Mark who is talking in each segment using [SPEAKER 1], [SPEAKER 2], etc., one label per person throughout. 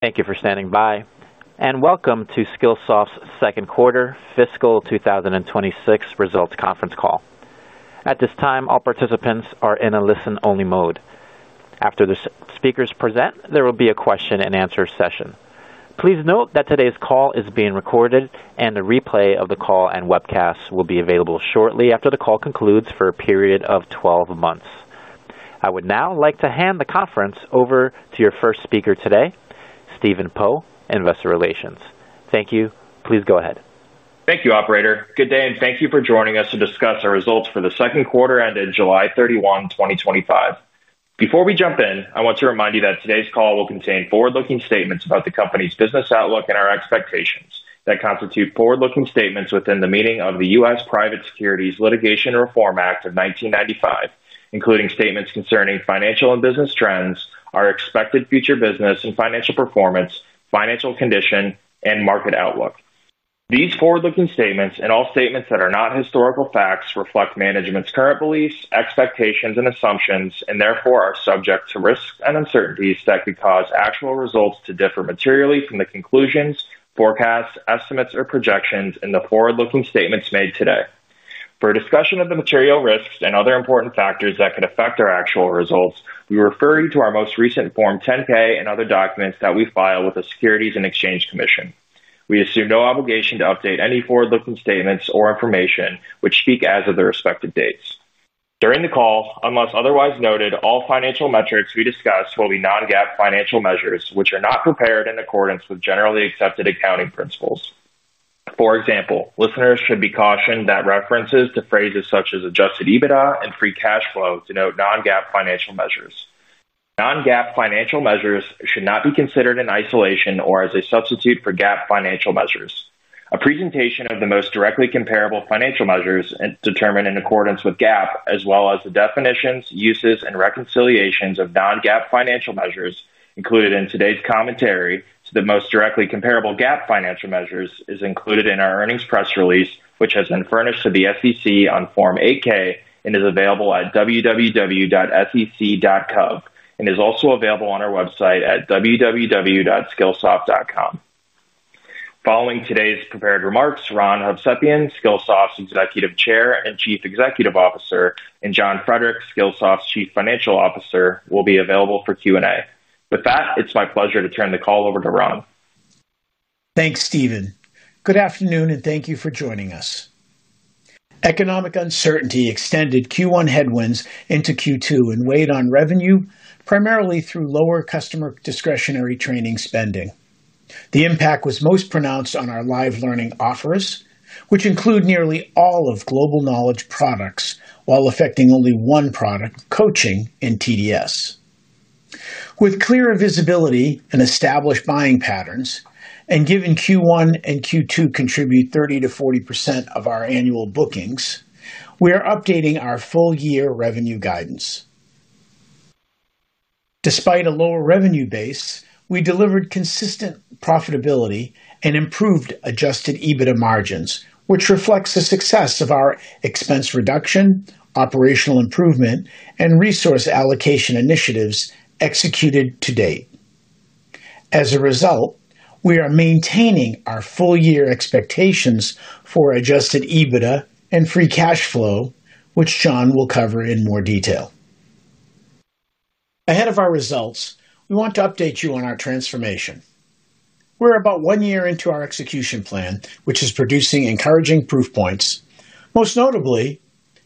[SPEAKER 1] Thank you for standing by and welcome to Skillsoft's second quarter fiscal 2026 results conference call. At this time, all participants are in a listen-only mode. After the speakers present, there will be a question and answer session. Please note that today's call is being recorded, and a replay of the call and webcast will be available shortly after the call concludes for a period of 12 months. I would now like to hand the conference over to your first speaker today, Stephen Poe in Investor Relations. Thank you. Please go ahead.
[SPEAKER 2] Thank you, Operator. Good day, and thank you for joining us to discuss our results for the second quarter ended July 31, 2025. Before we jump in, I want to remind you that today's call will contain forward-looking statements about the company's business outlook and our expectations. That constitutes forward-looking statements within the meaning of the U.S. Private Securities Litigation Reform Act of 1995, including statements concerning financial and business trends, our expected future business and financial performance, financial condition, and market outlook. These forward-looking statements, and all statements that are not historical facts, reflect management's current beliefs, expectations, and assumptions, and therefore are subject to risks and uncertainties that could cause actual results to differ materially from the conclusions, forecasts, estimates, or projections in the forward-looking statements made today. For a discussion of the material risks and other important factors that could affect our actual results, we refer to our most recent Form 10-K and other documents that we file with the Securities and Exchange Commission. We assume no obligation to update any forward-looking statements or information which speak as of the respective dates. During the call, unless otherwise noted, all financial metrics we discuss will be non-GAAP financial measures which are not prepared in accordance with generally accepted accounting principles. For example, listeners should be cautioned that references to phrases such as adjusted EBITDA and free cash flow denote non-GAAP financial measures. Non-GAAP financial measures should not be considered in isolation or as a substitute for GAAP financial measures. A presentation of the most directly comparable financial measures determined in accordance with GAAP, as well as the definitions, uses, and reconciliations of non-GAAP financial measures included in today's commentary to the most directly comparable GAAP financial measures, is included in our earnings press release, which has been furnished to the SEC on Form 8-K and is available at www.sec.gov and is also available on our website at www.skillsoft.com. Following today's prepared remarks, Ron Hovsepian, Skillsoft's Executive Chair and Chief Executive Officer, and John Fredericks, Skillsoft's Chief Financial Officer, will be available for Q&A. With that, it's my pleasure to turn the call over to Ron.
[SPEAKER 3] Thanks, Stephen. Good afternoon and thank you for joining us. Economic uncertainty extended Q1 headwinds into Q2 and weighed on revenue, primarily through lower customer discretionary training spending. The impact was most pronounced on our live learning offerings, which include nearly all of Global Knowledge products, while affecting only one product, coaching in TDS. With clearer visibility and established buying patterns, and given Q1 and Q2 contribute 30% to 40% of our annual bookings, we are updating our full-year revenue guidance. Despite a lower revenue base, we delivered consistent profitability and improved adjusted EBITDA margins, which reflects the success of our expense reduction, operational improvement, and resource allocation initiatives executed to date. As a result, we are maintaining our full-year expectations for adjusted EBITDA and free cash flow, which John will cover in more detail. Ahead of our results, we want to update you on our transformation. We're about one year into our execution plan, which is producing encouraging proof points, most notably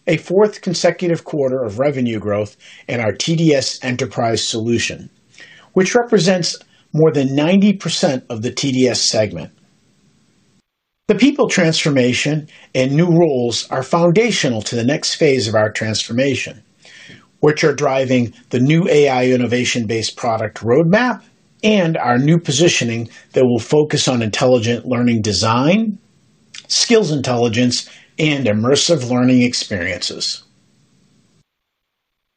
[SPEAKER 3] a fourth consecutive quarter of revenue growth in our TDS Enterprise Solutions, which represents more than 90% of the TDS segment. The people transformation and new roles are foundational to the next phase of our transformation, which are driving the new AI innovation-based product roadmap and our new positioning that will focus on intelligent learning design, skills intelligence, and immersive learning experiences.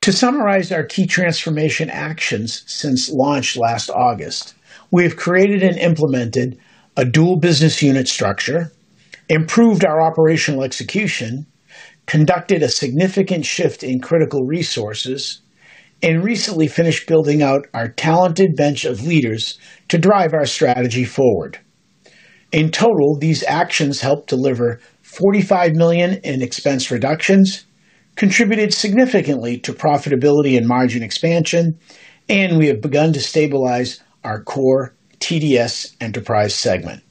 [SPEAKER 3] To summarize our key transformation actions since launch last August, we have created and implemented a dual business unit structure, improved our operational execution, conducted a significant shift in critical resources, and recently finished building out our talented bench of leaders to drive our strategy forward. In total, these actions helped deliver $45 million in expense reductions, contributed significantly to profitability and margin expansion, and we have begun to stabilize our core TDS enterprise segment.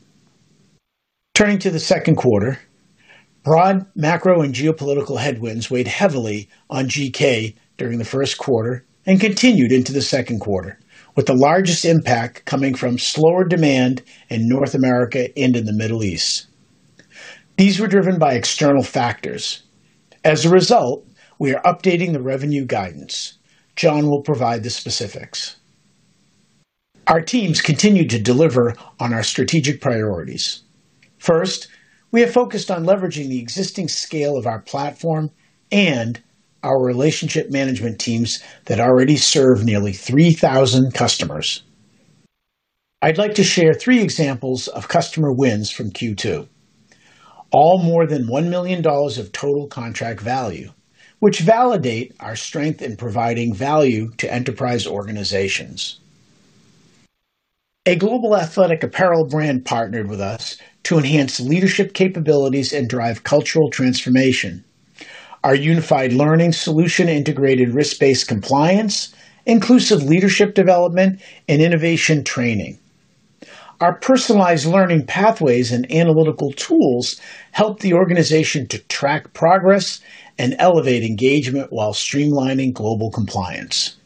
[SPEAKER 3] Turning to the second quarter, broad macro and geopolitical headwinds weighed heavily on Global Knowledge during the first quarter and continued into the second quarter, with the largest impact coming from slower demand in North America and in the Middle East. These were driven by external factors. As a result, we are updating the revenue guidance. John will provide the specifics. Our teams continue to deliver on our strategic priorities. First, we have focused on leveraging the existing scale of our platform and our relationship management teams that already serve nearly 3,000 customers. I'd like to share three examples of customer wins from Q2, all more than $1 million of total contract value, which validate our strength in providing value to enterprise organizations. A global athletic apparel brand partnered with us to enhance leadership capabilities and drive cultural transformation. Our unified learning solution integrated risk-based compliance, inclusive leadership development, and innovation training. Our personalized learning pathways and analytical tools helped the organization to track progress and elevate engagement while streamlining global compliance.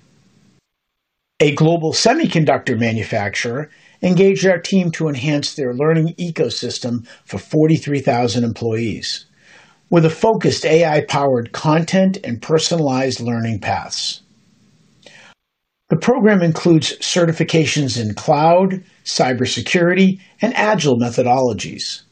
[SPEAKER 3] A global semiconductor manufacturer engaged our team to enhance their learning ecosystem for 43,000 employees with a focused AI-powered content and personalized learning paths. The program includes certifications in cloud, cybersecurity, and agile methodologies.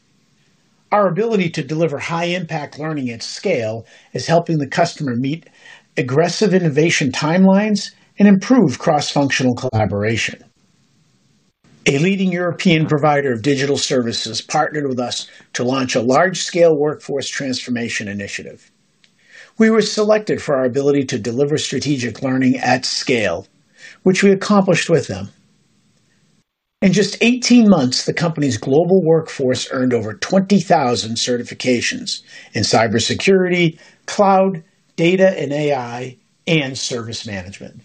[SPEAKER 3] Our ability to deliver high-impact learning at scale is helping the customer meet aggressive innovation timelines and improve cross-functional collaboration. A leading European provider of digital services partnered with us to launch a large-scale workforce transformation initiative. We were selected for our ability to deliver strategic learning at scale, which we accomplished with them. In just 18 months, the company's global workforce earned over 20,000 certifications in cybersecurity, cloud, data, and AI, and service management.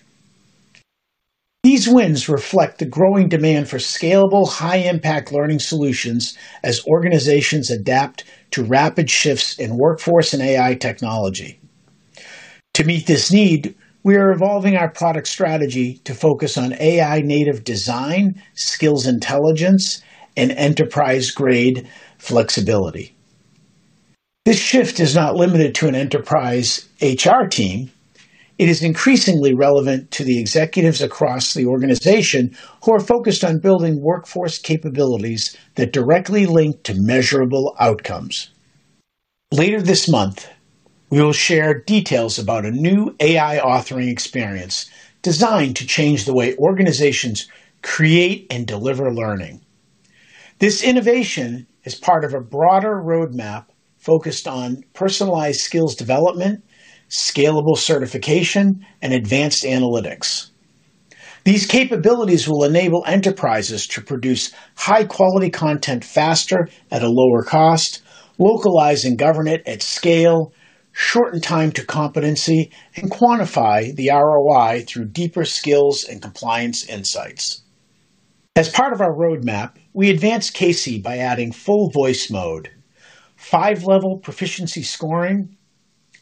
[SPEAKER 3] These wins reflect the growing demand for scalable, high-impact learning solutions as organizations adapt to rapid shifts in workforce and AI technology. To meet this need, we are evolving our product strategy to focus on AI-native design, skills intelligence, and enterprise-grade flexibility. This shift is not limited to an enterprise HR team. It is increasingly relevant to the executives across the organization who are focused on building workforce capabilities that directly link to measurable outcomes. Later this month, we will share details about a new AI authoring experience designed to change the way organizations create and deliver learning. This innovation is part of a broader roadmap focused on personalized skills development, scalable certification, and advanced analytics. These capabilities will enable enterprises to produce high-quality content faster at a lower cost, localize and govern it at scale, shorten time to competency, and quantify the ROI through deeper skills and compliance insights. As part of our roadmap, we advance CAISY by adding full voice mode, five-level proficiency scoring,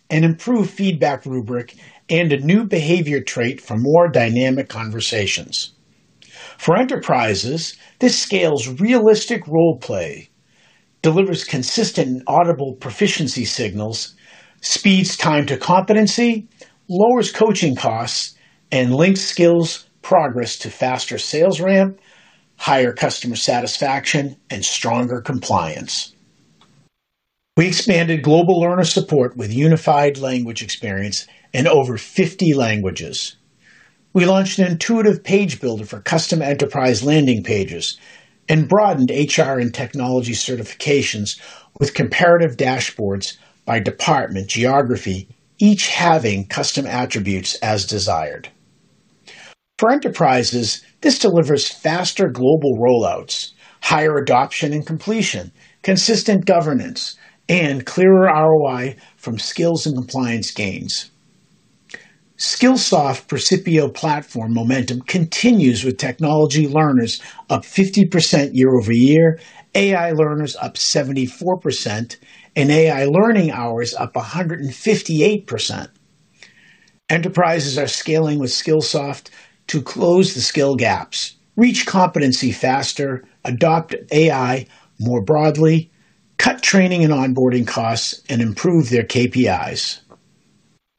[SPEAKER 3] an improved feedback rubric, and a new behavior trait for more dynamic conversations. For enterprises, this scales realistic role play, delivers consistent audible proficiency signals, speeds time to competency, lowers coaching costs, and links skills progress to faster sales ramp, higher customer satisfaction, and stronger compliance. We expanded global learner support with unified language experience in over 50 languages. We launched an intuitive page builder for custom enterprise landing pages and broadened HR and technology certifications with comparative dashboards by department and geography, each having custom attributes as desired. For enterprises, this delivers faster global rollouts, higher adoption and completion, consistent governance, and clearer ROI from skills and compliance gains. Skillsoft Prospeo platform momentum continues with technology learners up 50% year over year, AI learners up 74%, and AI learning hours up 158%. Enterprises are scaling with Skillsoft to close the skill gaps, reach competency faster, adopt AI more broadly, cut training and onboarding costs, and improve their KPIs.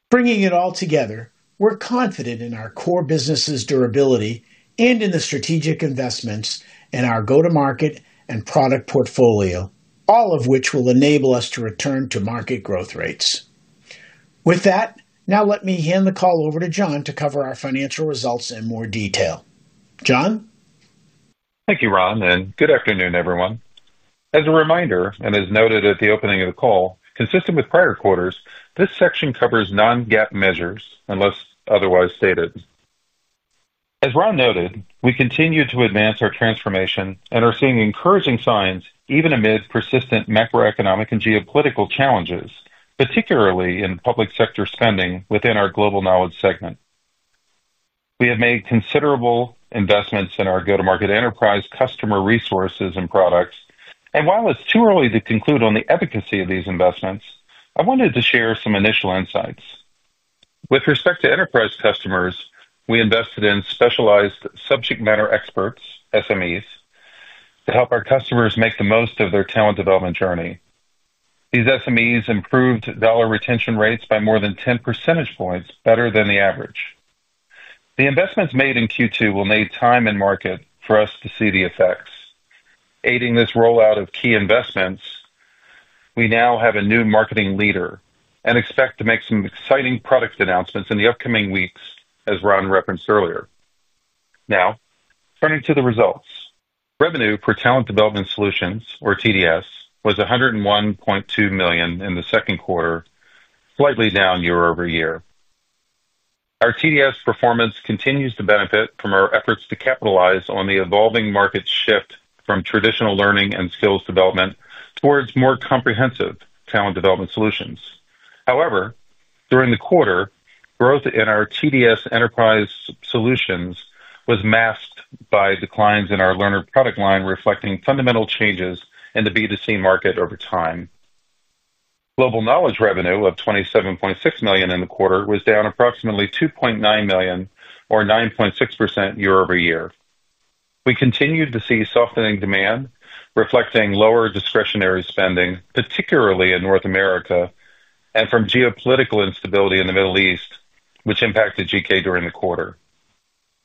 [SPEAKER 3] Bringing it all together, we're confident in our core business's durability and in the strategic investments in our go-to-market and product portfolio, all of which will enable us to return to market growth rates. With that, now let me hand the call over to John to cover our financial results in more detail. John?
[SPEAKER 4] Thank you, Ron, and good afternoon, everyone. As a reminder, and as noted at the opening of the call, consistent with prior quarters, this section covers non-GAAP measures unless otherwise stated. As Ron noted, we continue to advance our transformation and are seeing encouraging signs even amid persistent macroeconomic and geopolitical challenges, particularly in public sector spending within our Global Knowledge segment. We have made considerable investments in our go-to-market enterprise customer resources and products, and while it's too early to conclude on the efficacy of these investments, I wanted to share some initial insights. With respect to enterprise customers, we invested in specialized subject matter experts, SMEs, to help our customers make the most of their talent development journey. These SMEs improved dollar retention rates by more than 10 percentage points, better than the average. The investments made in Q2 will need time and market for us to see the effects. Aiding this rollout of key investments, we now have a new marketing leader and expect to make some exciting product announcements in the upcoming weeks, as Ron referenced earlier. Now, turning to the results, revenue for Talent Development Solutions, or TDS, was $101.2 million in the second quarter, slightly down year over year. Our TDS performance continues to benefit from our efforts to capitalize on the evolving market shift from traditional learning and skills development towards more comprehensive talent development solutions. However, during the quarter, growth in our TDS Enterprise Solutions was masked by declines in our learner product line, reflecting fundamental changes in the B2C market over time. Global Knowledge revenue of $27.6 million in the quarter was down approximately $2.9 million, or 9.6% year over year. We continue to see softening demand, reflecting lower discretionary spending, particularly in North America, and from geopolitical instability in the Middle East, which impacted GK during the quarter.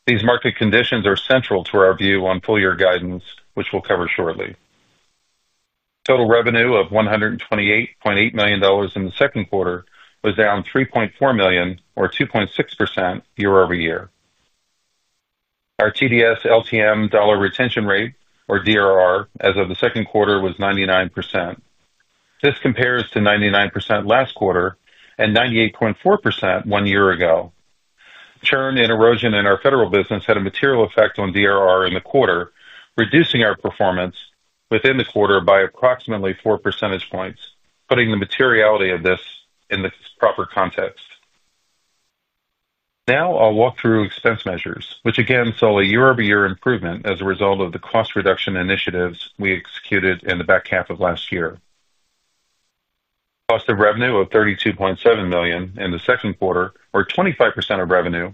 [SPEAKER 4] These market conditions are central to our view on full-year guidance, which we'll cover shortly. Total revenue of $128.8 million in the second quarter was down $3.4 million, or 2.6% year over year. Our TDS LTM dollar retention rate, or DRR, as of the second quarter was 99%. This compares to 99% last quarter and 98.4% one year ago. Churn and erosion in our federal business had a material effect on DRR in the quarter, reducing our performance within the quarter by approximately 4 percentage points, putting the materiality of this in the proper context. Now I'll walk through expense measures, which again saw a year-over-year improvement as a result of the cost reduction initiatives we executed in the back half of last year. Cost of revenue of $32.7 million in the second quarter, or 25% of revenue,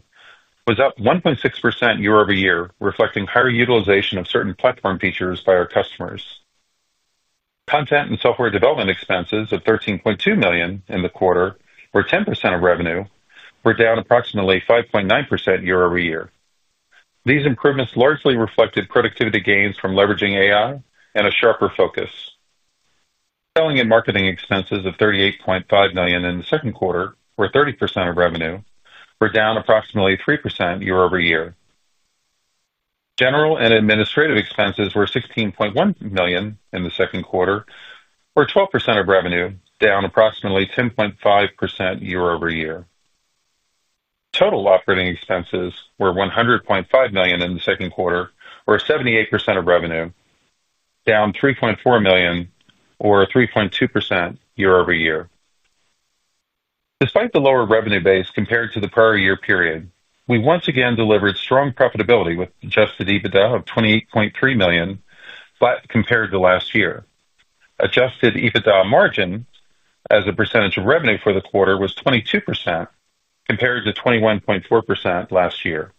[SPEAKER 4] was up 1.6% year over year, reflecting higher utilization of certain platform features by our customers. Content and software development expenses of $13.2 million in the quarter, or 10% of revenue, were down approximately 5.9% year over year. These improvements largely reflected productivity gains from leveraging AI and a sharper focus. Selling and marketing expenses of $38.5 million in the second quarter, or 30% of revenue, were down approximately 3% year over year. General and administrative expenses were $16.1 million in the second quarter, or 12% of revenue, down approximately 10.5% year over year. Total operating expenses were $100.5 million in the second quarter, or 78% of revenue, down $3.4 million, or 3.2% year over year. Despite the lower revenue base compared to the prior year period, we once again delivered strong profitability with an adjusted EBITDA of $28.3 million, flat compared to last year. Adjusted EBITDA margin as a percentage of revenue for the quarter was 22% compared to 21.4% last year.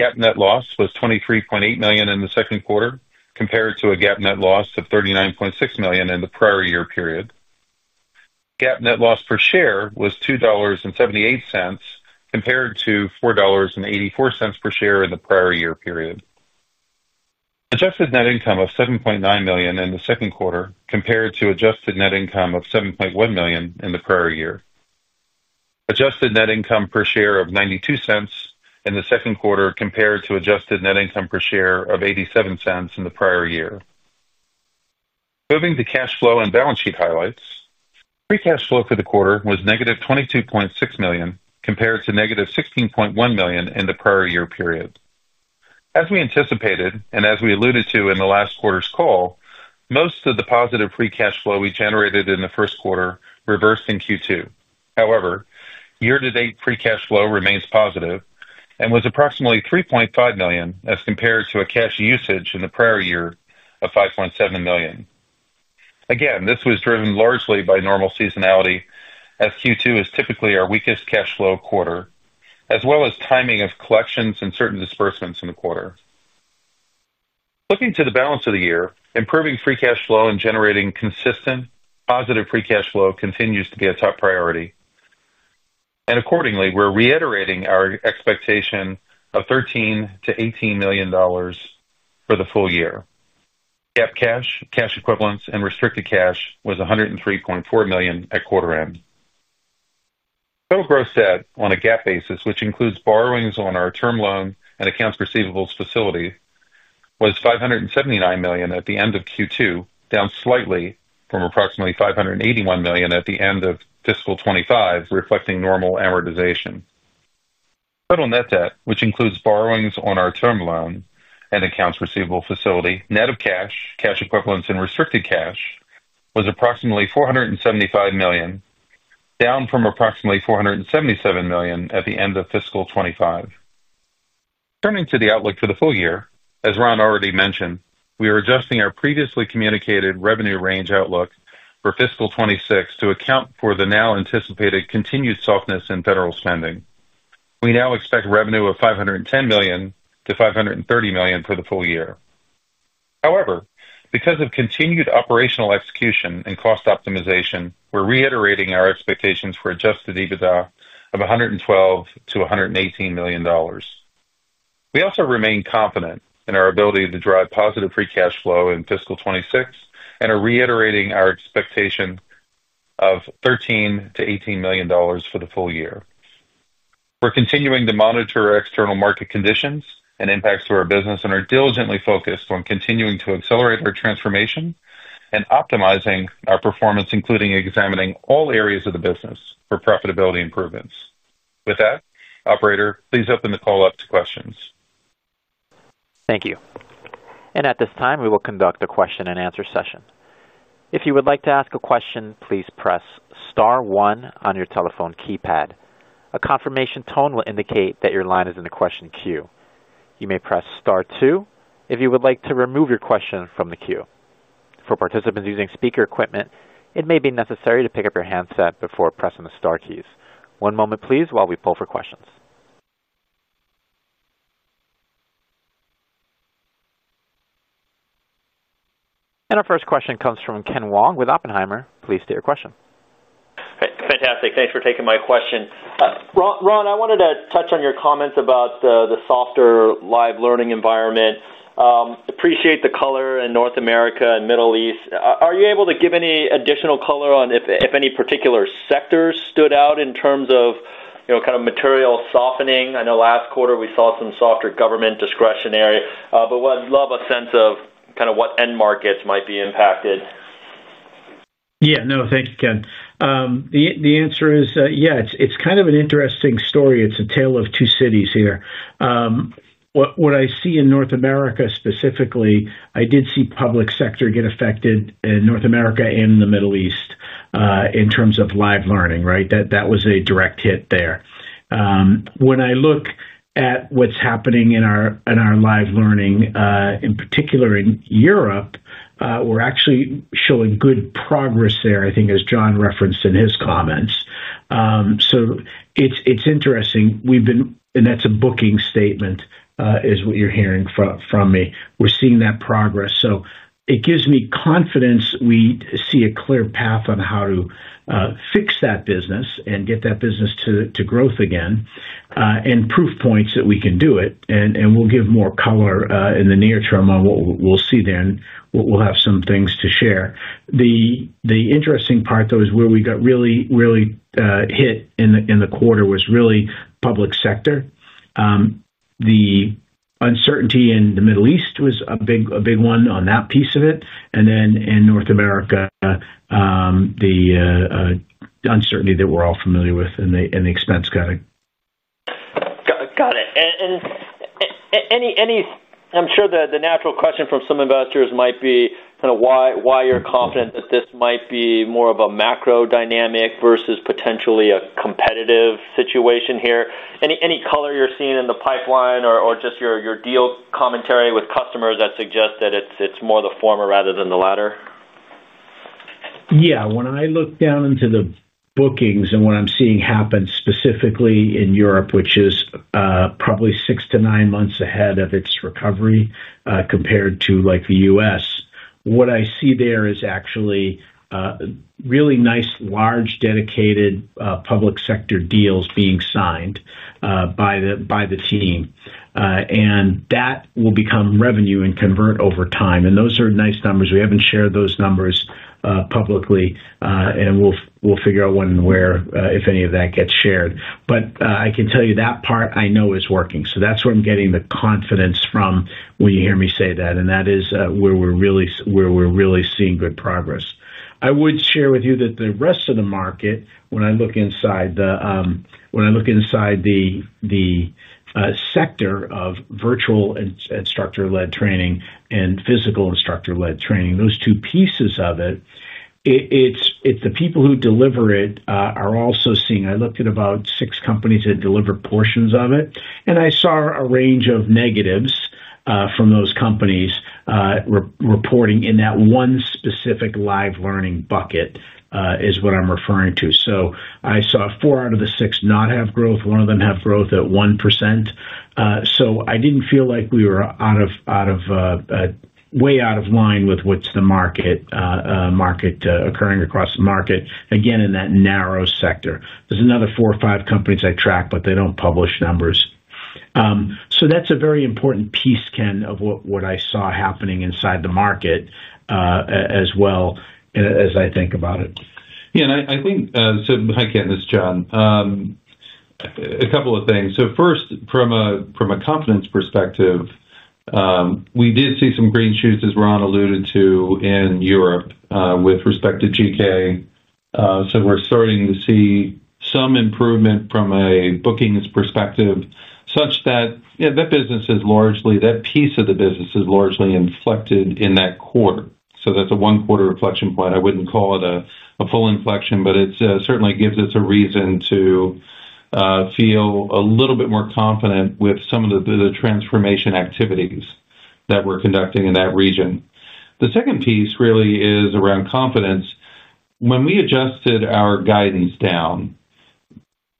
[SPEAKER 4] GAAP net loss was $23.8 million in the second quarter compared to a GAAP net loss of $39.6 million in the prior year period. GAAP net loss per share was $2.78 compared to $4.84 per share in the prior year period. Adjusted net income of $7.9 million in the second quarter compared to adjusted net income of $7.1 million in the prior year. Adjusted net income per share of $0.92 in the second quarter compared to adjusted net income per share of $0.87 in the prior year. Moving to cash flow and balance sheet highlights, free cash flow for the quarter was negative $22.6 million compared to negative $16.1 million in the prior year period. As we anticipated and as we alluded to in the last quarter's call, most of the positive free cash flow we generated in the first quarter reversed in Q2. However, year-to-date free cash flow remains positive and was approximately $3.5 million as compared to a cash usage in the prior year of $5.7 million. Again, this was driven largely by normal seasonality, as Q2 is typically our weakest cash flow quarter, as well as timing of collections and certain disbursements in the quarter. Looking to the balance of the year, improving free cash flow and generating consistent positive free cash flow continues to be a top priority. We are reiterating our expectation of $13 to $18 million for the full year. GAAP cash, cash equivalents, and restricted cash was $103.4 million at quarter end. Total gross debt on a GAAP basis, which includes borrowings on our term loan and accounts receivable facility, was $579 million at the end of Q2, down slightly from approximately $581 million at the end of fiscal 2025, reflecting normal amortization. Total net debt, which includes borrowings on our term loan and accounts receivable facility, net of cash, cash equivalents, and restricted cash, was approximately $475 million, down from approximately $477 million at the end of fiscal 2025. Turning to the outlook for the full year, as Ron Hovsepian already mentioned, we are adjusting our previously communicated revenue range outlook for fiscal 2026 to account for the now anticipated continued softness in federal spending. We now expect revenue of $510 million to $530 million for the full year. However, because of continued operational execution and cost optimization, we are reiterating our expectations for adjusted EBITDA of $112 to $118 million. We also remain confident in our ability to drive positive free cash flow in fiscal 2026 and are reiterating our expectation of $13 to $18 million for the full year. We are continuing to monitor external market conditions and impacts to our business and are diligently focused on continuing to accelerate our transformation and optimizing our performance, including examining all areas of the business for profitability improvements. With that, Operator, please open the call up to questions.
[SPEAKER 1] Thank you. At this time, we will conduct a question and answer session. If you would like to ask a question, please press star one on your telephone keypad. A confirmation tone will indicate that your line is in the question queue. You may press star two if you would like to remove your question from the queue. For participants using speaker equipment, it may be necessary to pick up your handset before pressing the star keys. One moment, please, while we pull for questions. Our first question comes from Ken Wong with Oppenheimer. Please state your question.
[SPEAKER 5] Fantastic. Thanks for taking my question. Ron, I wanted to touch on your comments about the softer live learning environment. I appreciate the color in North America and the Middle East. Are you able to give any additional color on if any particular sectors stood out in terms of kind of material softening? I know last quarter we saw some softer government discretionary, but I'd love a sense of kind of what end markets might be impacted.
[SPEAKER 3] Yeah, no, thanks, Ken. The answer is, yeah, it's kind of an interesting story. It's a tale of two cities here. What I see in North America specifically, I did see public sector get affected in North America and the Middle East in terms of live learning, right? That was a direct hit there. When I look at what's happening in our live learning, in particular in Europe, we're actually showing good progress there, I think, as John referenced in his comments. It's interesting. We've been, and that's a booking statement, is what you're hearing from me. We're seeing that progress. It gives me confidence we see a clear path on how to fix that business and get that business to growth again, and proof points that we can do it. We'll give more color in the near term on what we'll see then. We'll have some things to share. The interesting part, though, is where we got really, really hit in the quarter was really public sector. The uncertainty in the Middle East was a big one on that piece of it. In North America, the uncertainty that we're all familiar with in the expense guide.
[SPEAKER 5] I'm sure the natural question from some investors might be kind of why you're confident that this might be more of a macro dynamic versus potentially a competitive situation here. Any color you're seeing in the pipeline or just your deal commentary with customers that suggest that it's more the former rather than the latter?
[SPEAKER 3] When I look down into the bookings and what I'm seeing happen specifically in Europe, which is probably six to nine months ahead of its recovery compared to like the U.S., what I see there is actually really nice large dedicated public sector deals being signed by the team. That will become revenue and convert over time. Those are nice numbers. We haven't shared those numbers publicly. We'll figure out when and where if any of that gets shared. I can tell you that part I know is working. That's where I'm getting the confidence from when you hear me say that. That is where we're really seeing good progress. I would share with you that the rest of the market, when I look inside the sector of virtual instructor-led training and physical instructor-led training, those two pieces of it, it's the people who deliver it are also seeing. I looked at about six companies that deliver portions of it. I saw a range of negatives from those companies reporting in that one specific live learning bucket is what I'm referring to. I saw four out of the six not have growth. One of them have growth at 1%. I didn't feel like we were way out of line with what's the market occurring across the market, again, in that narrow sector. There's another four or five companies I track, but they don't publish numbers. That's a very important piece, Ken, of what I saw happening inside the market as well as I think about it.
[SPEAKER 4] Yeah, I think, if I can, John, a couple of things. First, from a confidence perspective, we did see some green shoots, as Ron alluded to, in Europe with respect to Global Knowledge. We're starting to see some improvement from a bookings perspective, such that that piece of the business is largely inflected in that quarter. That's a one-quarter inflection point. I wouldn't call it a full inflection, but it certainly gives us a reason to feel a little bit more confident with some of the transformation activities that we're conducting in that region. The second piece really is around confidence. When we adjusted our guidance down,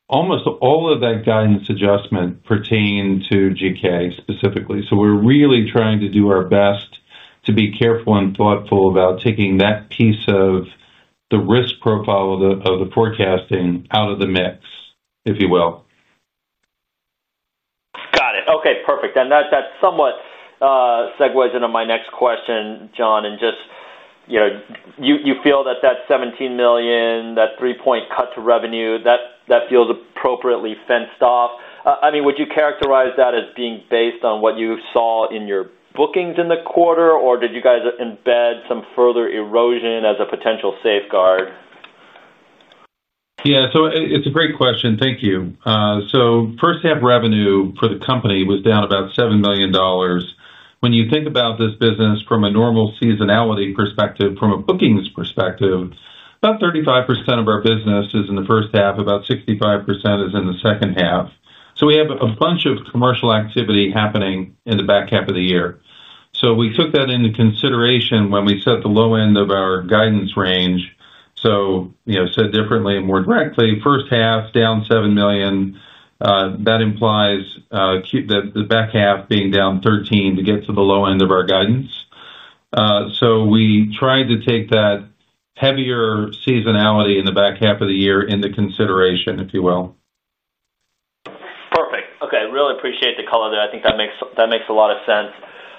[SPEAKER 4] almost all of that guidance adjustment pertained to Global Knowledge specifically. We're really trying to do our best to be careful and thoughtful about taking that piece of the risk profile of the forecasting out of the mix, if you will.
[SPEAKER 5] Got it. Okay, perfect. That somewhat segues into my next question, John. You feel that that $17 million, that three-point cut to revenue, feels appropriately fenced off. Would you characterize that as being based on what you saw in your bookings in the quarter, or did you guys embed some further erosion as a potential safeguard?
[SPEAKER 4] Yeah, it's a great question. Thank you. First half revenue for the company was down about $7 million. When you think about this business from a normal seasonality perspective, from a bookings perspective, about 35% of our business is in the first half, about 65% is in the second half. We have a bunch of commercial activity happening in the back half of the year. We took that into consideration when we set the low end of our guidance range. Said differently and more directly, first half down $7 million. That implies the back half being down $13 million to get to the low end of our guidance. We tried to take that heavier seasonality in the back half of the year into consideration, if you will.
[SPEAKER 5] Perfect. Okay, I really appreciate the color there. I think that makes a lot of sense.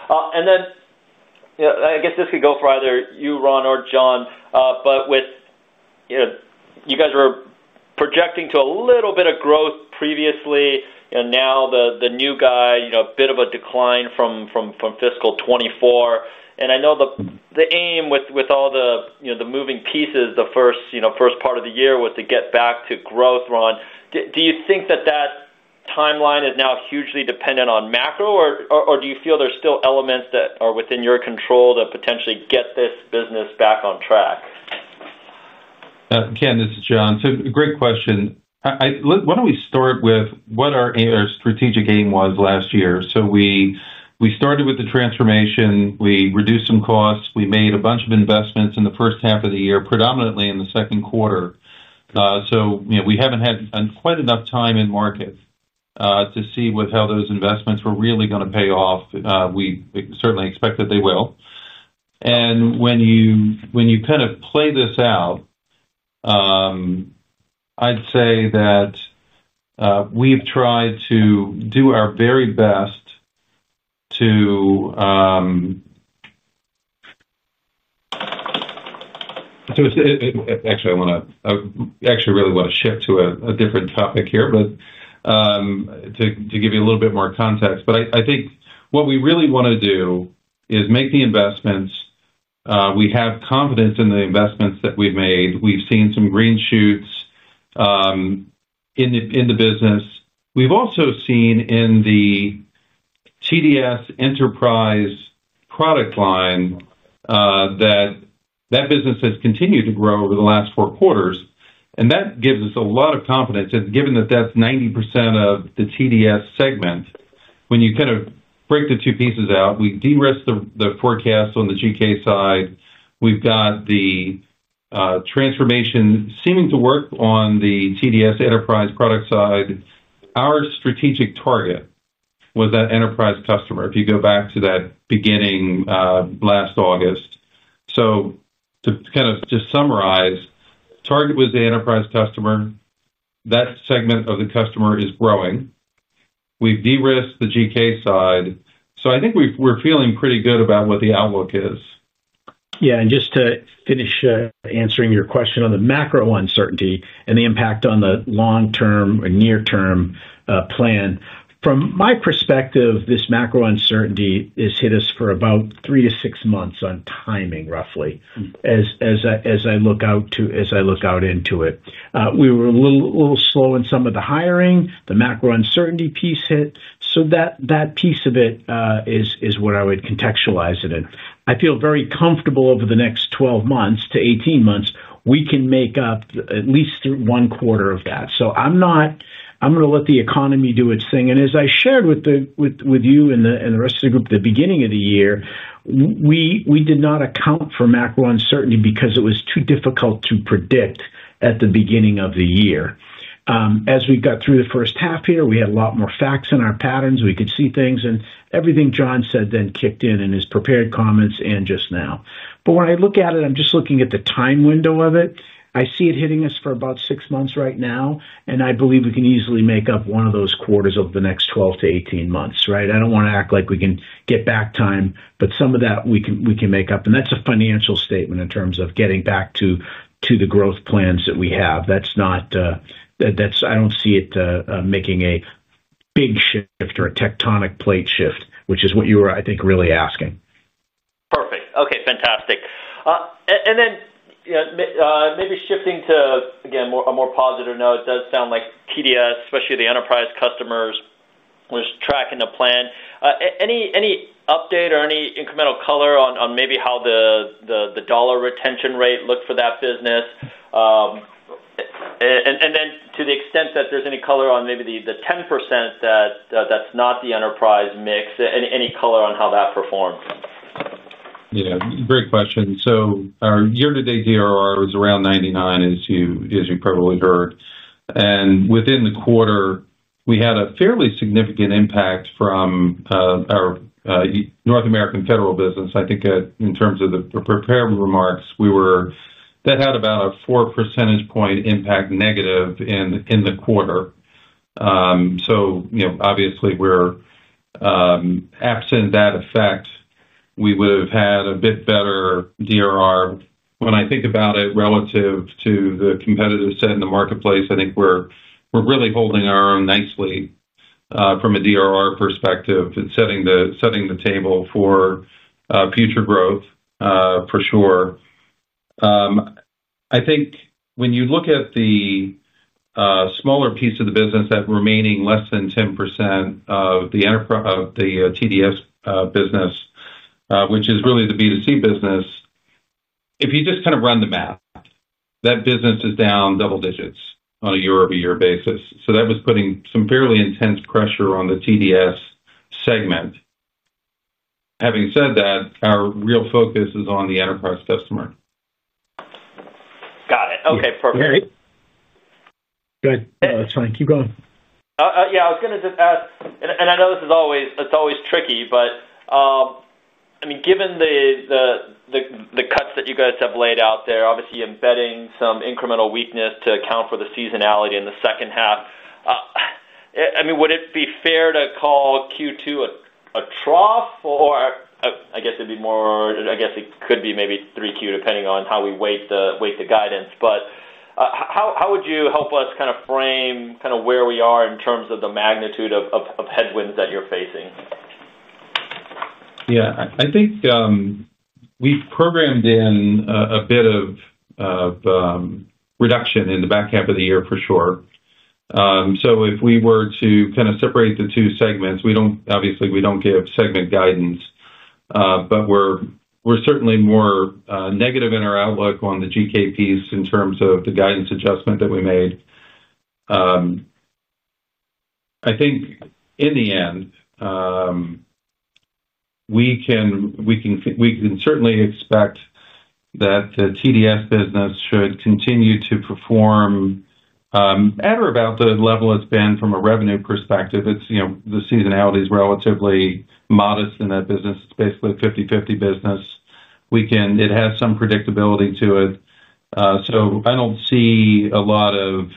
[SPEAKER 5] I guess this could go for either you, Ron, or John, but with, you know, you guys were projecting to a little bit of growth previously, and now the new guy, you know, a bit of a decline from fiscal 2024. I know the aim with all the moving pieces, the first part of the year was to get back to growth, Ron. Do you think that that timeline is now hugely dependent on macro, or do you feel there's still elements that are within your control to potentially get this business back on track?
[SPEAKER 4] Ken, this is John. Great question. Why don't we start with what our strategic aim was last year? We started with the transformation, we reduced some costs, we made a bunch of investments in the first half of the year, predominantly in the second quarter. We haven't had quite enough time in market to see how those investments were really going to pay off. We certainly expect that they will. When you play this out, I'd say that we've tried to do our very best to give you a little bit more context. I think what we really want to do is make the investments. We have confidence in the investments that we've made. We've seen some green shoots in the business. We've also seen in the TDS Enterprise product line that that business has continued to grow over the last four quarters. That gives us a lot of confidence. Given that that's 90% of the TDS segment, when you break the two pieces out, we derisked the forecast on the GK side. We've got the transformation seeming to work on the TDS Enterprise product side. Our strategic target was that enterprise customer, if you go back to that beginning last August. To summarize, the target was the enterprise customer. That segment of the customer is growing. We've derisked the GK side. I think we're feeling pretty good about what the outlook is.
[SPEAKER 3] Yeah, and just to finish answering your question on the macro uncertainty and the impact on the long-term and near-term plan. From my perspective, this macro uncertainty has hit us for about three to six months on timing, roughly, as I look out into it. We were a little slow in some of the hiring. The macro uncertainty piece hit. That piece of it is what I would contextualize it in. I feel very comfortable over the next 12 to 18 months, we can make up at least one quarter of that. I'm going to let the economy do its thing. As I shared with you and the rest of the group at the beginning of the year, we did not account for macro uncertainty because it was too difficult to predict at the beginning of the year. As we got through the first half here, we had a lot more facts in our patterns. We could see things. Everything John said then kicked in in his prepared comments and just now. When I look at it, I'm just looking at the time window of it. I see it hitting us for about six months right now. I believe we can easily make up one of those quarters over the next 12 to 18 months, right? I don't want to act like we can get back time, but some of that we can make up. That's a financial statement in terms of getting back to the growth plans that we have. I don't see it making a big shift or a tectonic plate shift, which is what you were, I think, really asking.
[SPEAKER 5] Perfect. Okay, fantastic. Maybe shifting to, again, a more positive note, it does sound like TDS, especially the enterprise customers, was tracking a plan. Any update or any incremental color on maybe how the dollar retention rate looked for that business? To the extent that there's any color on maybe the 10% that's not the enterprise mix, any color on how that performed?
[SPEAKER 4] Great question. Our year-to-date dollar retention rate was around 99%, as you probably heard. Within the quarter, we had a fairly significant impact from our North American federal business. In terms of the prepared remarks, that had about a 4 percentage point negative impact in the quarter. Obviously, absent that effect, we would have had a bit better dollar retention rate. When I think about it relative to the competitor set in the marketplace, I think we're really holding our own nicely from a dollar retention rate perspective and setting the table for future growth, for sure. When you look at the smaller piece of the business, that remaining less than 10% of the Talent Development Solutions business, which is really the B2C business, if you just kind of run the math, that business is down double digits on a year-over-year basis. That was putting some fairly intense pressure on the Talent Development Solutions segment. Having said that, our real focus is on the enterprise customer.
[SPEAKER 5] Got it. Okay, perfect.
[SPEAKER 3] Yeah, go ahead.
[SPEAKER 5] Oh, that's funny. Keep going. I was going to just add, and I know this is always, it's always tricky, but I mean, given the cuts that you guys have laid out there, obviously embedding some incremental weakness to account for the seasonality in the second half. Would it be fair to call Q2 a trough, or I guess it could be maybe Q3, depending on how we weight the guidance. How would you help us kind of frame where we are in terms of the magnitude of headwinds that you're facing?
[SPEAKER 4] Yeah, I think we've programmed in a bit of reduction in the back half of the year, for sure. If we were to kind of separate the two segments, we don't, obviously, we don't give segment guidance, but we're certainly more negative in our outlook on the Global Knowledge piece in terms of the guidance adjustment that we made. I think in the end, we can certainly expect that the Talent Development Solutions business should continue to perform at or about the level it's been from a revenue perspective. It's, you know, the seasonality is relatively modest in that business. It's basically a 50-50 business. It has some predictability to it. I don't see a lot of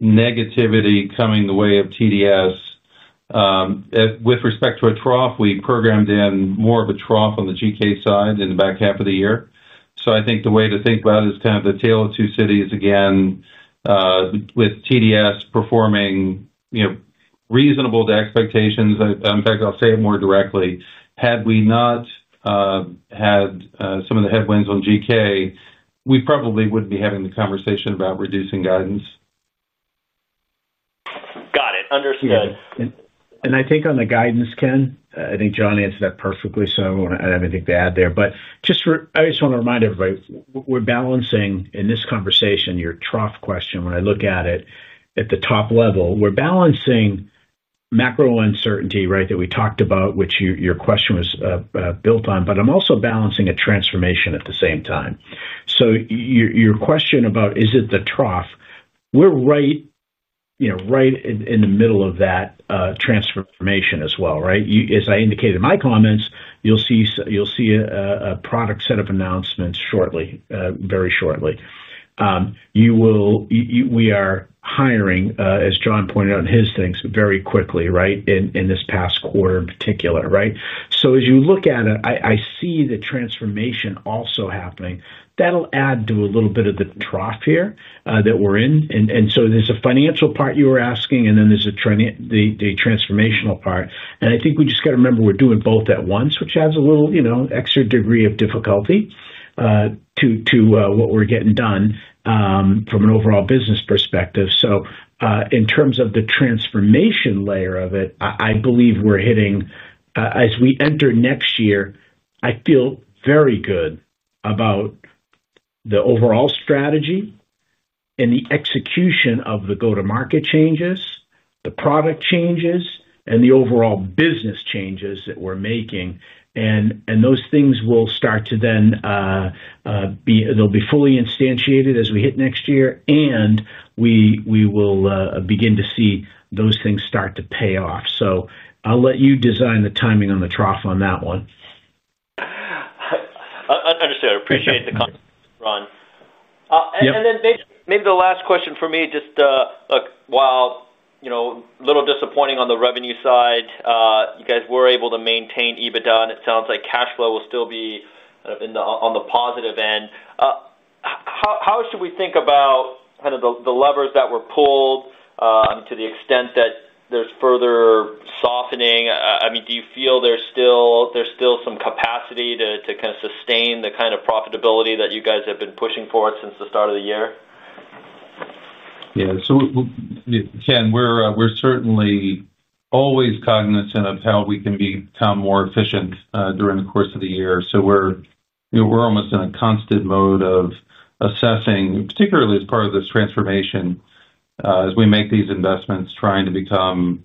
[SPEAKER 4] negativity coming the way of Talent Development Solutions. With respect to a trough, we programmed in more of a trough on the Global Knowledge side in the back half of the year. I think the way to think about it is kind of the tale of two cities again, with Talent Development Solutions performing, you know, reasonable to expectations. In fact, I'll say it more directly. Had we not had some of the headwinds on Global Knowledge, we probably wouldn't be having the conversation about reducing guidance.
[SPEAKER 5] Got it. Understood.
[SPEAKER 3] I think on the guidance, Ken, I think John answered that perfectly. I don't want to have anything to add there. I just want to remind everybody, we're balancing in this conversation your trough question. When I look at it at the top level, we're balancing macro uncertainty, right, that we talked about, which your question was built on. I'm also balancing a transformation at the same time. Your question about is it the trough, we're right in the middle of that transformation as well, right? As I indicated in my comments, you'll see a product set of announcements very shortly. We are hiring, as John pointed out in his things, very quickly in this past quarter in particular. As you look at it, I see the transformation also happening. That'll add to a little bit of the trough here that we're in. There's a financial part you were asking, and then there's the transformational part. I think we just got to remember we're doing both at once, which adds a little extra degree of difficulty to what we're getting done from an overall business perspective. In terms of the transformation layer of it, I believe we're hitting, as we enter next year, I feel very good about the overall strategy and the execution of the go-to-market changes, the product changes, and the overall business changes that we're making. Those things will start to then, they'll be fully instantiated as we hit next year, and we will begin to see those things start to pay off. I'll let you design the timing on the trough on that one.
[SPEAKER 5] Understood. I appreciate the context, Ron. Maybe the last question for me, just look, while, you know, a little disappointing on the revenue side, you guys were able to maintain EBITDA, and it sounds like cash flow will still be kind of on the positive end. How should we think about kind of the levers that were pulled? To the extent that there's further softening, do you feel there's still some capacity to kind of sustain the kind of profitability that you guys have been pushing forward since the start of the year?
[SPEAKER 4] Yeah, Ken, we're certainly always cognizant of how we can become more efficient during the course of the year. We're almost in a constant mode of assessing, particularly as part of this transformation, as we make these investments, trying to become,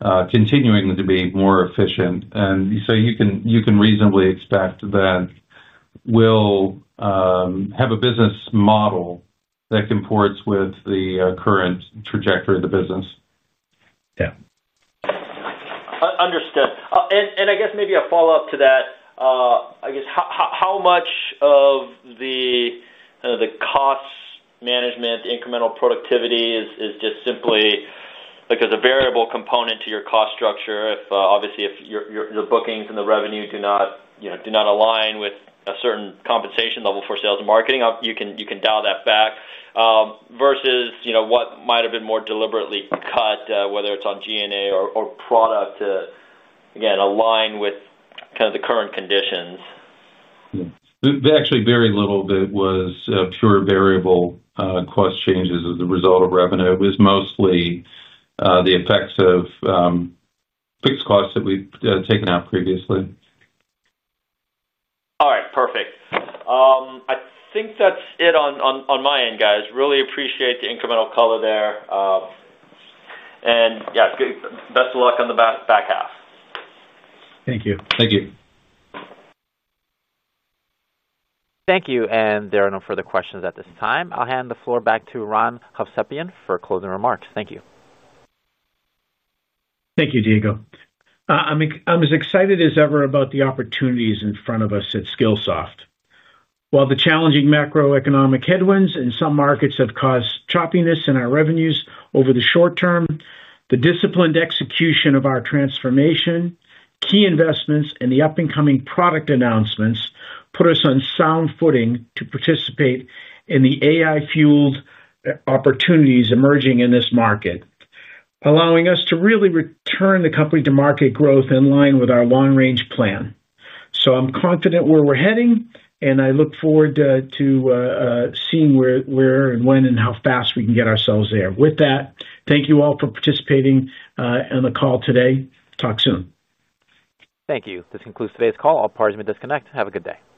[SPEAKER 4] continuing to be more efficient. You can reasonably expect that we'll have a business model that comports with the current trajectory of the business.
[SPEAKER 5] Understood. I guess maybe a follow-up to that, how much of the kind of the cost management, the incremental productivity is just simply like as a variable component to your cost structure? Obviously, if your bookings and the revenue do not align with a certain compensation level for sales and marketing, you can dial that back versus what might have been more deliberately cut, whether it's on G&A or product, to again align with kind of the current conditions.
[SPEAKER 4] Yeah, actually very little of it was pure variable cost changes as a result of revenue. It was mostly the effects of fixed costs that we'd taken out previously.
[SPEAKER 5] All right, perfect. I think that's it on my end, guys. Really appreciate the incremental color there. Yeah, best of luck on the back half.
[SPEAKER 4] Thank you. Thank you.
[SPEAKER 1] Thank you. There are no further questions at this time. I'll hand the floor back to Ron Hovsepian for closing remarks. Thank you.
[SPEAKER 3] Thank you, Diego. I'm as excited as ever about the opportunities in front of us at Skillsoft. While the challenging macroeconomic headwinds in some markets have caused choppiness in our revenues over the short term, the disciplined execution of our transformation, key investments, and the up-and-coming product announcements put us on sound footing to participate in the AI-fueled opportunities emerging in this market, allowing us to really return the company to market growth in line with our long-range plan. I'm confident where we're heading, and I look forward to seeing where and when and how fast we can get ourselves there. With that, thank you all for participating in the call today. Talk soon.
[SPEAKER 1] Thank you. This concludes today's call. All parties may disconnect. Have a good day.